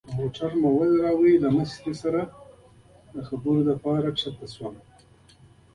موټر مې برېک کړ او له مشرې سره د خبرو لپاره ور کښته شوم.